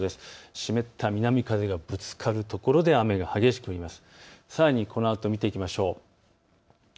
湿った南風がぶつかる所で雨が激しく降ります。